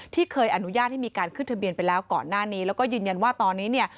ที่เคยอนุญาตให้มีการขึ้นทะเบียนไปแล้วก่อนหน้านี้แล้วก็ยืนยันว่าตอนนี้เนี่ย